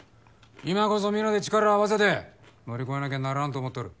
今こそ皆で力を合わせて乗り越えなきゃならんと思っとる。